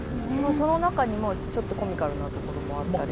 その中にもちょっとコミカルなところもあったり。